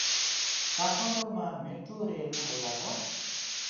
काठमाडौंमा metro rail आउला त?